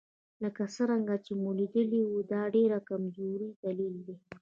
لکه څرنګه چې ومو لیدل دا ډېر کمزوری دلیل دی.